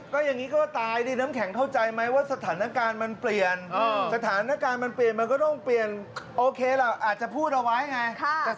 ตอนนี้มันถูกเอากลับมาหมดเลยนะคะ